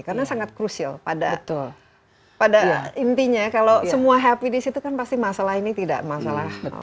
karena sangat krusial pada intinya kalau semua happy di situ kan pasti masalah ini tidak masalah